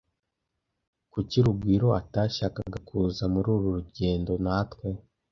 Kuki Rugwiro atashakaga kuza muri uru rugendo natwe?